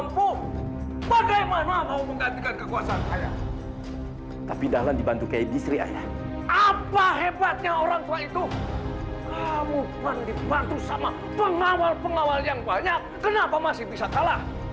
kamu pasti akan menyesal